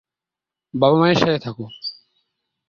বাবা-মায়ের সাথে থাকে।